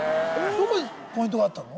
どこにポイントがあったの？